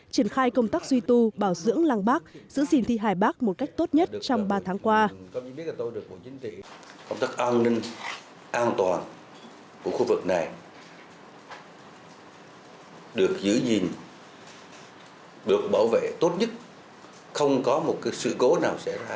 triển khai công tác duy tu bảo dưỡng lăng bác giữ gìn thi hài bắc một cách tốt nhất trong ba tháng qua